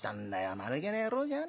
まぬけな野郎じゃねえか。